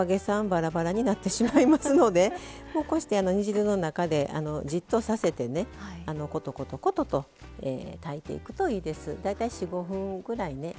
ばらばらになってしまいますのでこうして煮汁の中でじっとさせてねコトコトコトと炊いていくといいです。